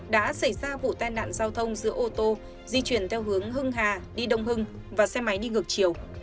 đã xảy ra vụ tai nạn giao thông giữa ô tô di chuyển theo hướng hưng hà đi đông hưng và xe máy đi ngược chiều